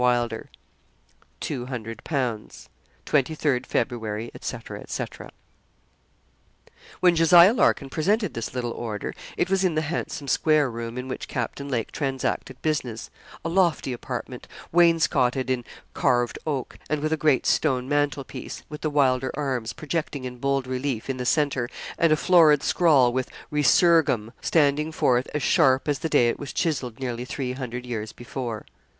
WYLDER. 200_l._) '23rd Feb., &c. &c.' When Jos. Larkin presented this little order, it was in the handsome square room in which Captain Lake transacted business a lofty apartment, wainscoted in carved oak, and with a great stone mantelpiece, with the Wylder arms, projecting in bold relief, in the centre, and a florid scroll, with 'RESURGAM' standing forth as sharp as the day it was chiselled nearly three hundred years before.